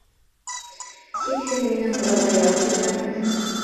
Тик һеҙ минең һорау- га яуап бирмәнегеҙ